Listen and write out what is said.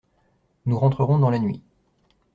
Nous rentrerons dans la nuit.